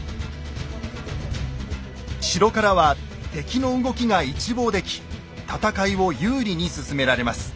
城からは敵の動きが一望でき戦いを有利に進められます。